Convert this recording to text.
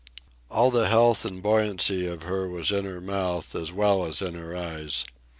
All the health and buoyancy of her was in her mouth, as well as in her eyes.